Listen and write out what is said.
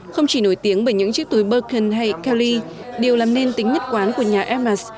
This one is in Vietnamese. không chỉ nổi tiếng bởi những chiếc túi birkin hay kelly điều làm nên tính nhất quán của nhà ms